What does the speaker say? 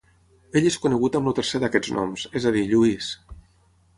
Ell és conegut amb el tercer d'aquests noms, és a dir, Lluís.